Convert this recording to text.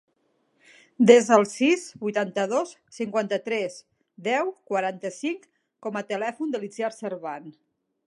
Desa el sis, vuitanta-dos, cinquanta-tres, deu, quaranta-cinc com a telèfon de l'Itziar Servan.